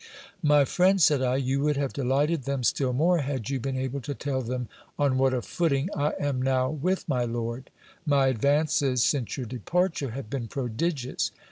My friend, said I, you would have delighted them still more, had you been able to tell them on what a footing I am now with my lord. My advances since your departure have been prodigious.